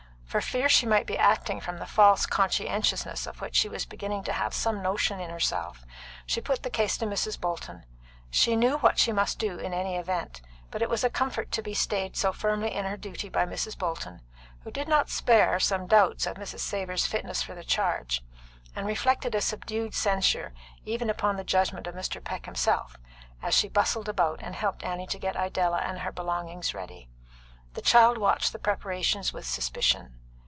For fear she might be acting from the false conscientiousness of which she was beginning to have some notion in herself, she put the case to Mrs. Bolton. She knew what she must do in any event, but it was a comfort to be stayed so firmly in her duty by Mrs. Bolton, who did not spare some doubts of Mrs. Savor's fitness for the charge, and reflected a subdued censure even upon the judgment of Mr. Peck himself, as she bustled about and helped Annie get Idella and her belongings ready. The child watched the preparations with suspicion.